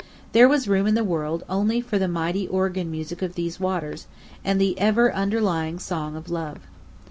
There was room in the world only for the mighty organ music of these waters, and the ever underlying song of love.